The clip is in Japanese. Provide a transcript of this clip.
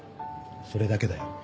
それだけだよ。